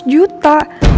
ada lima ratus juta